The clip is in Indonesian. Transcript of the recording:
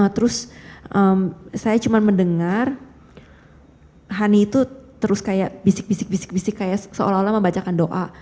terus saya cuma mendengar hani itu terus kayak bisik bisik bisik bisik kayak seolah olah membacakan doa